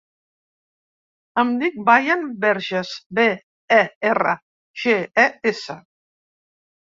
Em dic Bayan Berges: be, e, erra, ge, e, essa.